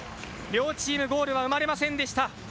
両チームゴールは生まれませんでした。